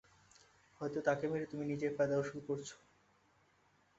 হয়ত তাকে মেরে তুমি নিজের ফায়দা উশুল করছো?